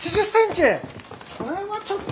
それはちょっと。